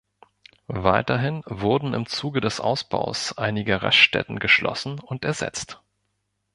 Weiterhin wurden im Zuge des Ausbaus einige Raststätten geschlossen und ersetzt.